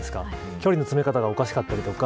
距離の詰め方がおかしかったりとか。